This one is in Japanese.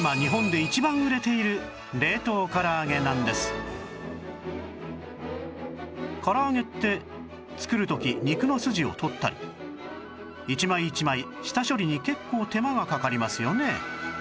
今から揚げって作る時肉の筋を取ったり一枚一枚下処理に結構手間がかかりますよね